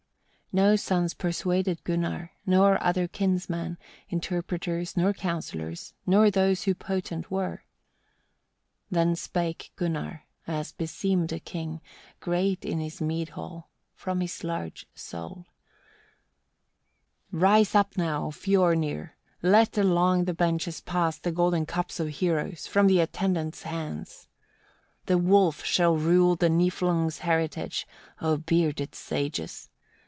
9. No sons persuaded Gunnar, nor other kinsman, interpreters nor counsellors, nor those who potent were. Then spake Gunnar, as beseemed a king, great in his mead hall, from his large soul: 10. "Rise now up, Fiornir! let along the benches pass the golden cups of heroes, from the attendants' hands. 11. "The wolf shall rule the Niflungs' heritage, O bearded sages!